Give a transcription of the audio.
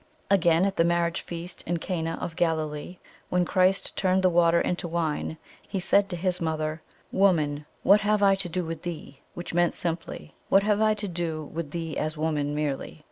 Again, at the marriage feast in Cana of Galilee, when Christ turned the water into wine, He said to His mother, 'WOMAN, what have I to do with thee?' which meant simply: What have I to do with thee as WOMAN merely?